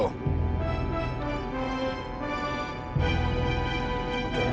pemikiran itu ya